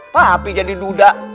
papi jadi duda